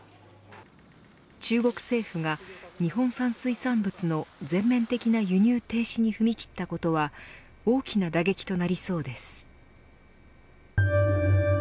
中国政府が日本産水産物の全面的な輸入停止に踏み切ったことは大きな打撃となりそうです。